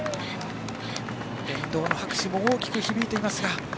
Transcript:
沿道の拍手も大きく響いていますが。